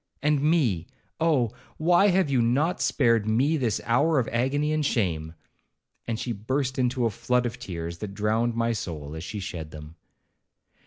And me,—oh! why have you not spared me this hour of agony and shame?' and she burst into a flood of tears, that drowned my soul as she shed them.